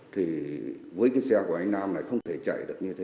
thì với cái xe của anh nam này không thể chạy được như thế